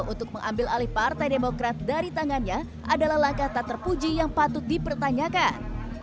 untuk mengambil alih partai demokrat dari tangannya adalah langkah tak terpuji yang patut dipertanyakan